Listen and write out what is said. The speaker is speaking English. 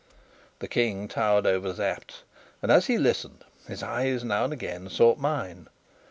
The King towered over Sapt, and, as he listened, his eyes now and again sought mine.